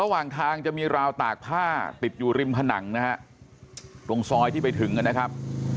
ระหว่างทางจะมีราวตากผ้าติดอยู่ริมผนังนะฮะตรงซอยที่ไปถึงนะครับ